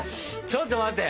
ちょっと待って。